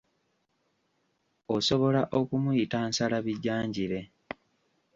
Osobola okumuyita nsalabijanjire.